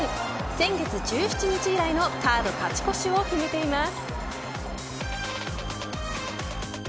先月１７日以来のカード勝ち越しを決めています。